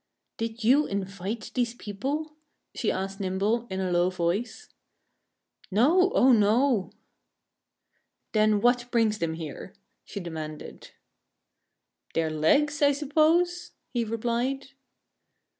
"Did you invite these people?" she asked Nimble in a low voice. "No! Oh, no!" "Then what brings them here?" she demanded. "Their legs, I suppose," he replied.